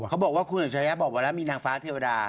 เขาบอกว่าคุณหญิงเฉยบอกว่ามีนางฟ้าเทวดา